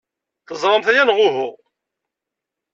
Teẓramt aya, neɣ uhu?